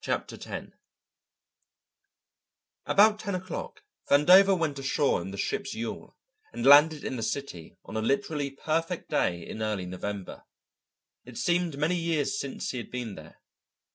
Chapter Ten About ten o'clock Vandover went ashore in the ship's yawl and landed in the city on a literally perfect day in early November. It seemed many years since he had been there.